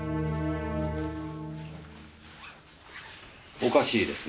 おかしいですね。